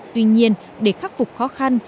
tuy nhiên để khắc phục khó khăn